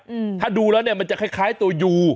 อืมถ้าดูแล้วเนี้ยมันจะคล้ายคล้ายตัวยู